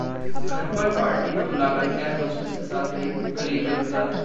घर पर पार्टी में बुलाकर एयर होस्टेस के साथ रेप, कलीग गिरफ्तार